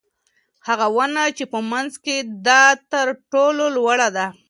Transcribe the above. هغه ونه چې په منځ کې ده تر ټولو لوړه ده.